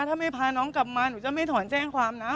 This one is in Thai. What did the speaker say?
ถ้าไม่พาน้องกลับมาหนูจะไม่ถอนแจ้งความนะ